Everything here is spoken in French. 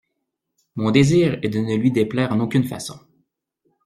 Mon désir est de ne lui déplaire en aucune façon.